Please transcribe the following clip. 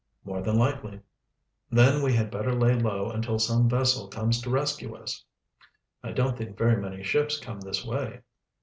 "More than likely." "Then we had better lay low until some vessel comes to rescue us." "I don't think very many ships come this way."